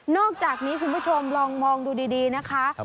อกจากนี้คุณผู้ชมลองมองดูดีนะคะ